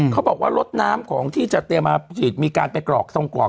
เขาบอกว่ารถน้ำของที่จะเตรียมมาฉีดมีการไปกรอกทรงกรอก